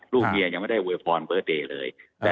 ลูกเมียยังไม่ได้โอเวฟอร์นเบอร์เตย์เลย